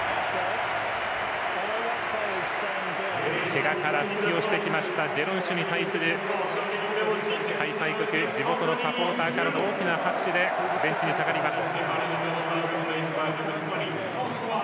けがから復帰してきたジェロンシュに対する開催国、地元のサポーターからの大きな拍手でベンチに下がります。